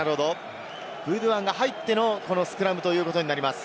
ブドゥアンが入ってのスクラムとなります。